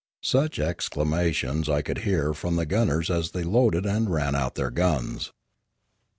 Such exclamations I could hear from the gunners as they loaded and ran out their guns.